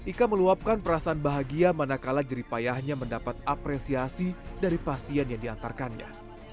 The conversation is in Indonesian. ika meluapkan perasaan bahagia manakala jeripayahnya mendapat apresiasi dari pasien yang diantarkannya